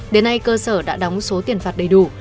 đến nay cơ sở đã đóng số tiền phạt đầy đủ